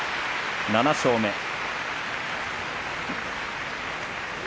７勝目。